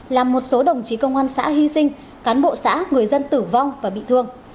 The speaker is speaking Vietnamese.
làm một số đồng chí công an xã hy sinh cán bộ xã người dân tử vong và bị thương